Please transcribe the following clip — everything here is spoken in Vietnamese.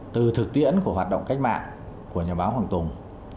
từ thực tiễn của hoạt động cách mạng của nhà báo hoàng tùng